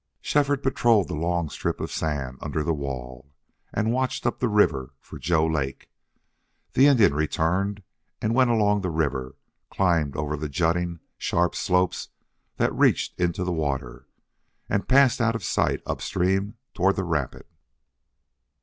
Shefford patrolled the long strip of sand under the wall, and watched up the river for Joe Lake. The Indian returned and went along the river, climbed over the jutting, sharp slopes that reached into the water, and passed out of sight up stream toward the rapid.